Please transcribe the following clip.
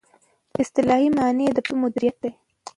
اصطلاحي معنی یې د پیسو مدیریت دی.